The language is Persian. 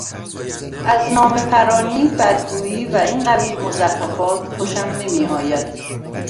از نامهپرانی، بدگویی و این قبیل مزخرفات خوشم نمیآید.